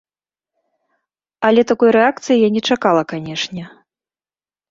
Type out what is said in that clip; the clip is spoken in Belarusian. Але такой рэакцыі я не чакала, канечне.